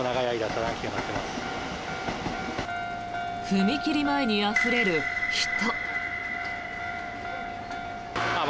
踏切前にあふれる人。